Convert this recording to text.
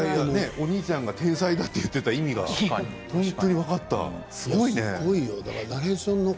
お兄ちゃんが天才だと言っていた意味が分かった。